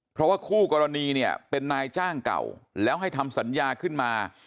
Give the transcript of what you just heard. เพราะว่าคู่กรณีเนี่ยเป็นนายจ้างเก่าแล้วให้ทำสัญญาขึ้นมา